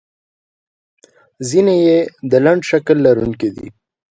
ځینې یې د لنډ شکل لرونکي دي.